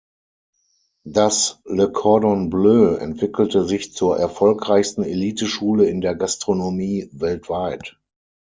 Das Le Cordon Bleu entwickelte sich zur erfolgreichsten Eliteschule in der Gastronomie weltweit.